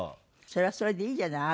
それはそれでいいじゃない。